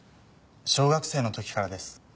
小学生のときからです。